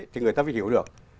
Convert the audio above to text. thì người ta mới hiểu được